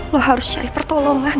lo harus cari pertolongan